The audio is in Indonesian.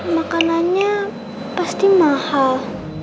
makanannya pasti mahal